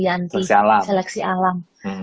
yanti seleksi alam